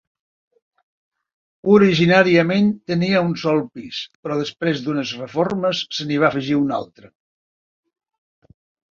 Originàriament tenia un sol pis, però després d'unes reformes se n'hi va afegir un altre.